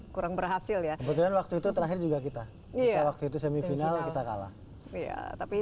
kurang berhasil ya kebetulan waktu itu terakhir juga kita waktu itu semifinal kita kalah iya tapi